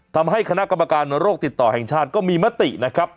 ทำให้คณะกรรมการโรคติดต่อแห่งชาติก็มีมตินะครับ